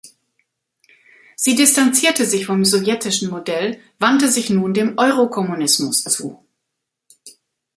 Sie distanzierte sich vom sowjetischen Modell wandte sich nun dem Eurokommunismus zu.